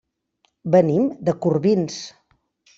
Venim de Corbins.